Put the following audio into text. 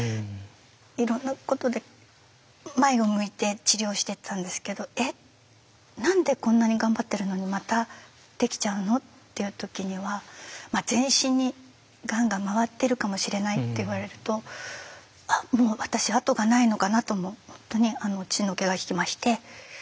いろんなことで前を向いて治療をしてたんですけど「え？何でこんなに頑張ってるのにまたできちゃうの？」っていう時には「全身にがんが回ってるかもしれない」って言われるともう私後がないのかなとも本当に血の気が引きまして。